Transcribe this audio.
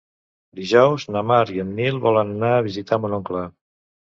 Dijous na Mar i en Nil volen anar a visitar mon oncle.